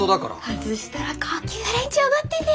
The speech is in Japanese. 外したら高級フレンチおごってね。